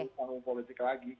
untuk panggung politik lagi